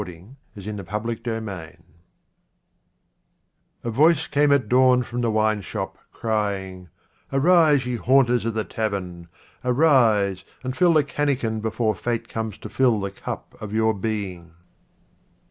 OUAT RAINS OF OMAR KHAYYAM A voice came at dawn from the wine shop, crying, " Arise, ye haunters of the tavern, arise, and fill the cannikin before fate comes to fill the cup of your being."